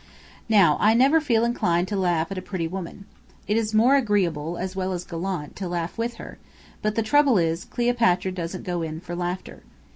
Now, I never feel inclined to laugh at a pretty woman. It is more agreeable, as well as gallant, to laugh with her; but the trouble is, Cleopatra doesn't go in for laughter.